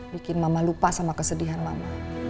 bikin mama lupa sama kesedihan mama